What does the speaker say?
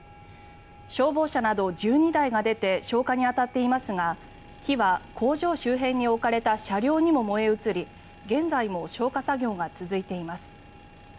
消防車など１２台が出て消火に当たっていますが火は工場周辺に置かれた車両にも燃え移り現在も消火作業が続いています。